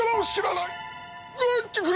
帰ってくれ！